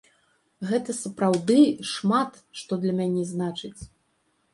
Гэта сапраўды шмат што для мяне значыць.